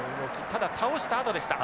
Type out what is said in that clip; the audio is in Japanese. ただ倒したあとでした。